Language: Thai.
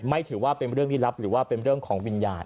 ถือว่าเป็นเรื่องลี้ลับหรือว่าเป็นเรื่องของวิญญาณ